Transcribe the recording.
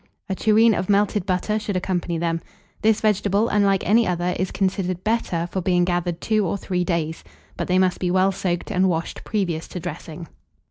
A tureen of melted butter should accompany them. This vegetable, unlike any other, is considered better for being gathered two or three days; but they must be well soaked and washed previous to dressing.